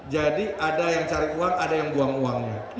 jadi ada yang cari uang ada yang buang uangnya